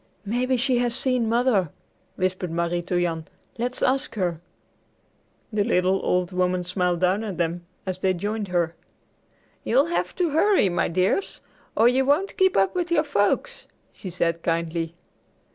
"Maybe she has seen Mother," whispered Marie to Jan. "Let's ask her!" The little old woman smiled down at them as they joined her. "You'll have to hurry, my dears, or you won't keep up with your folks," she said kindly.